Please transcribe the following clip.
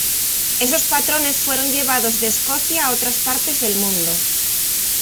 Esos patrones fueron llevados de Escocia a otras partes del mundo.